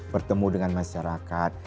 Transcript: bertemu dengan masyarakat